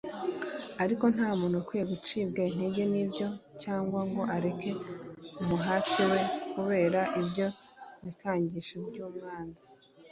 ariko nta muntu ukwiriye gucibwa intege n'ibyo, cyangwa ngo areke umuhati we kubera ibyo bikangisho by'umwanzi